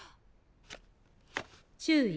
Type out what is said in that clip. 注意！